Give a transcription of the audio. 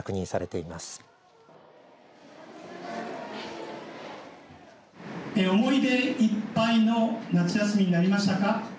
思い出いっぱいの夏休みになりましたか。